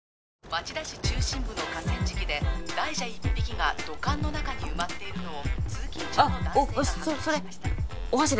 町田市中心部の河川敷で大蛇１匹が土管の中に埋まっているのを通勤中の男性が発見しました